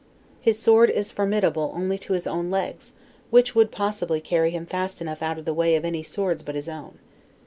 His sword is formidable only to his own legs, which would possibly carry him fast enough out of the way of any sword but his own.